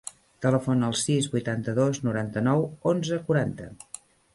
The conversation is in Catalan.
Telefona al sis, vuitanta-dos, noranta-nou, onze, quaranta.